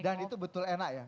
dan itu betul enak ya